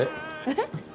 えっ？